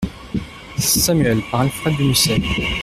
Samuel, par Alfred de Musset.